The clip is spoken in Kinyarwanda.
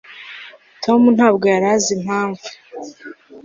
tom ntabwo yari azi impamvu